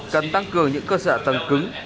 cần tăng cường những cơ sở tầng cứng